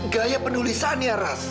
gaya penulisannya ras